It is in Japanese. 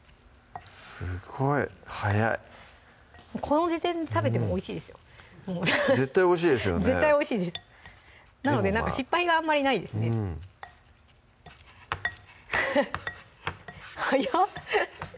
すごい早いこの時点で食べてもおいしいですよ絶対おいしいですよね絶対おいしいですなので失敗があんまりないですね早っ！